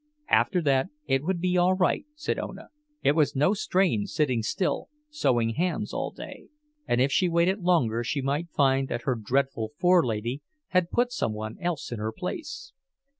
After that it would be all right, said Ona, it was no strain sitting still sewing hams all day; and if she waited longer she might find that her dreadful forelady had put some one else in her place.